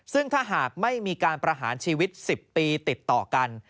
ซึ่งถ้าหากไม่มีการประหารชีวิต๑๐ปีติดต่อกัน